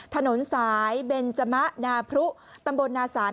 ถนนสายเบนจมะนาพรุตำบลนาศาล